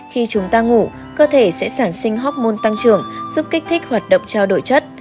khi chúng ta ngủ cơ thể sẽ sản sinh hóc môn tăng trưởng giúp kích thích hoạt động trao đổi chất